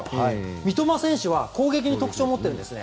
三笘選手は攻撃に特徴を持っているんですね。